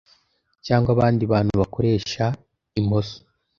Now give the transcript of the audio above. cyangwa abandi bantu bakoresha imoso